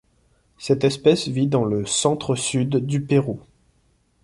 Cette espèce vit dans le centre-Sud du Pérou.